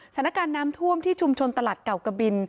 สถานการณ์น้ำท่วมที่ชุมชนตลาดเก่ากะบิน